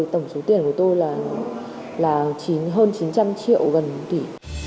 tổng số tiền của tôi là hơn chín trăm linh triệu gần một tỷ